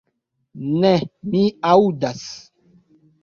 Ne, mi aŭdas.